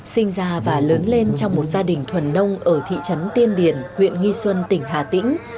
sinh ra và lớn lên trong một gia đình thuần nông ở thị trấn tiên điển huyện nghi xuân tỉnh hà tĩnh